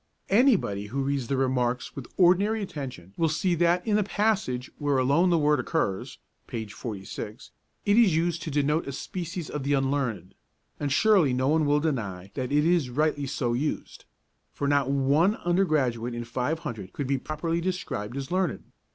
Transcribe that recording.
Anybody who reads the 'Remarks' with ordinary attention will see that in the passage where alone the word occurs (p. 46) it is used to denote a species of the unlearned, and surely no one will deny that it is rightly so used; for not one undergraduate in five hundred could be properly described as learned.